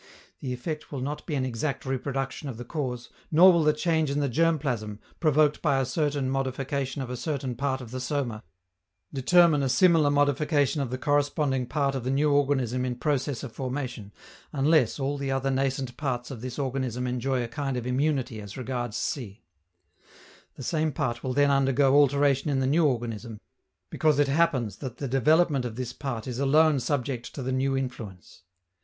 The effect will not be an exact reproduction of the cause, nor will the change in the germ plasm, provoked by a certain modification of a certain part of the soma, determine a similar modification of the corresponding part of the new organism in process of formation, unless all the other nascent parts of this organism enjoy a kind of immunity as regards C: the same part will then undergo alteration in the new organism, because it happens that the development of this part is alone subject to the new influence.